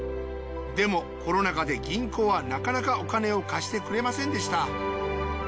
でもコロナ禍で銀行はなかなかお金を貸してくれませんでした。